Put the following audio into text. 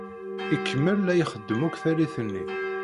Ikemmel la ixeddem akk tallit-nni.